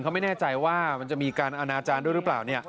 เขาไม่แน่ใจว่ามันจะมีการอนาจารย์ด้วยหรือเปล่า